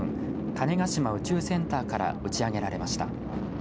種子島宇宙センターから打ち上げられました。